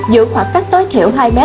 giữ khoảng cách tối thiểu hai m